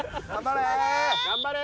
頑張れ！